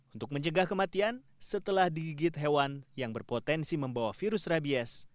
untuk mencegah kematian setelah digigit hewan yang berpotensi membawa virus rabies